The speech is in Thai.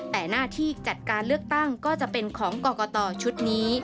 แต่หน้าที่จัดการเลือกตั้งก็จะเป็นของกรกตชุดนี้